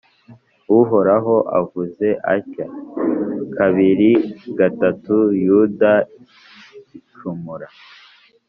Uhoraho avuze atya:Kabiri gatatu Yuda icumura!